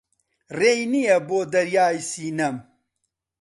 ڕێی نییە بۆ دەریای سینەم